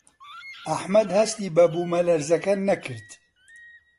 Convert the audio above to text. ئەحمەد هەستی بە بوومەلەرزەکە نەکرد.